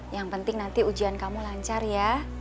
yang penting nanti ujian kamu lancar ya